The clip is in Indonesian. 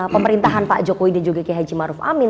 pemerintahan pak jokowi dan juga ki haji maruf amin